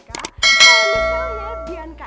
kalau misalnya bianca